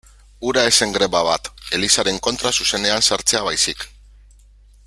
Hura ez zen greba bat, Elizaren kontra zuzenean sartzea baizik.